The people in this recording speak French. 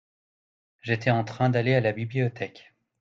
J’étais en train d’aller à la bibliothèque.